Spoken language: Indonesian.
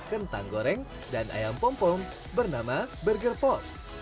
kentang goreng dan ayam pom pom bernama burger pop